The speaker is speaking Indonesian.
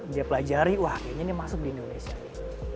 dia pelajari wah kayaknya ini masuk di indonesia nih